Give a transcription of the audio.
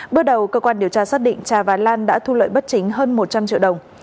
bước đầu cơ quan điều tra xác định trà và lan đã thu lợi bất chính hơn một trăm linh triệu đồng